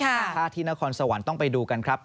ถ้าที่นครสวรรค์ต้องไปดูกันครับ